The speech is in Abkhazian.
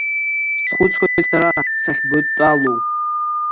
Схәыцуеит сара сахьбыдтәалоу…